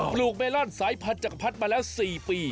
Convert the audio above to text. ลูกเมลอนสายพันธักพัดมาแล้ว๔ปี